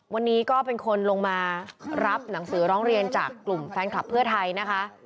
วันนี้ก็เป็นคนลงมารับหนังสือร้องเรียนจากกลุ่มแฟนคลับเพื่อไทยนะคะ